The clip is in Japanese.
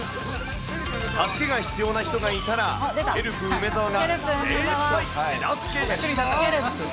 助けが必要な人がいたら、ヘルプ梅澤が精いっぱい手助けします。